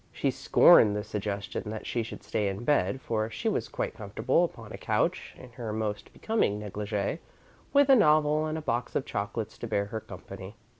She scorned the suggestion that she should stay in bed, for she was quite comfortable upon a couch, in her most becoming negligee, with a novel and a box of chocolates to bear her company.